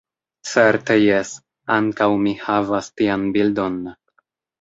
Certe jes, ankaŭ mi havas tian bildon.